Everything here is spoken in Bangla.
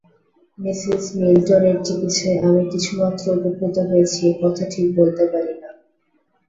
মিসেস মিল্টনের চিকিৎসায় আমি কিছুমাত্র উপকৃত হয়েছি, এ-কথা ঠিক বলতে পারি না।